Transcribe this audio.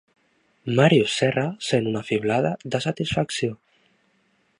Màrius Serra sent una fiblada de satisfacció.